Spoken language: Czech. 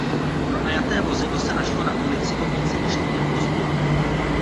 Pronajaté vozidlo se našlo na ulici o více než týden později.